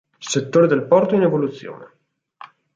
Settore del porto in evoluzione.